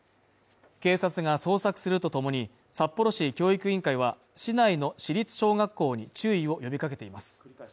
警察が捜索するとともに、札幌市教育委員会は、市内の市立小学校に注意を呼びかけています。